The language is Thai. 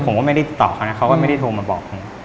ผมก็ไม่ได้ติดต่อเขานะเขาก็ไม่ได้โทรมาบอกผม